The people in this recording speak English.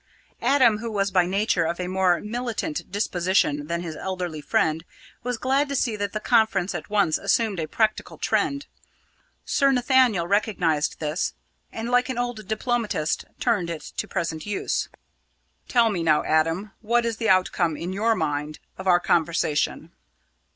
Adam, who was by nature of a more militant disposition than his elderly friend, was glad to see that the conference at once assumed a practical trend. Sir Nathaniel recognised this, and, like an old diplomatist, turned it to present use. "Tell me now, Adam, what is the outcome, in your own mind, of our conversation?"